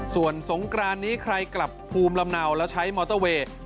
ส่วนสงกรานนี้ใครกลับภูมิลำเนาแล้วใช้มอเตอร์เวย์